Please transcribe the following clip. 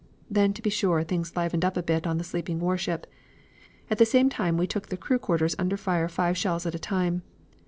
"Then, to be sure, things livened up a bit on the sleeping warship. At the same time we took the crew quarters under fire five shells at a time.